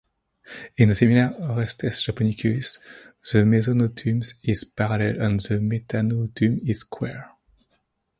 In the similar "Orestes japonicus" the mesonotum is parallel and the metanotum is square.